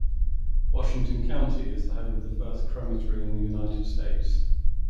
Washington County is the home of the first crematory in the United States.